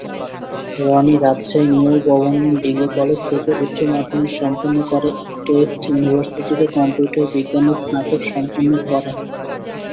Roni Rajshahi new government degree college থেকে উচ্চ মাধ্যমিক সম্পন্ন করে ইস্ট ওয়েস্ট ইউনিভার্সিটিতে কম্পিউটার বিজ্ঞানে স্নাতক সম্পন্ন করেন।